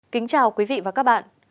kính chào quý vị và các bạn